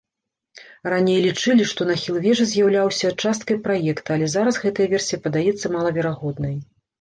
Раней лічылі, што нахіл вежы з'яўляўся часткай праекта, але зараз гэтая версія падаецца малаверагоднай.